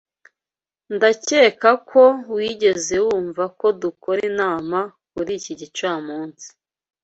Ndakeka ko wigeze wumva ko dukora inama kuri iki gicamunsi.